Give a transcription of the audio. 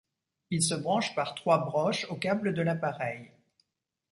Il se branche par trois broches au câble de l’appareil.